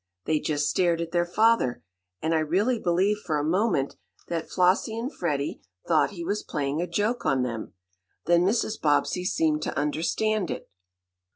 They just stared at their father, and I really believe, for a moment, that Flossie and Freddie thought he was playing a joke on them. Then Mrs. Bobbsey seemed to understand it.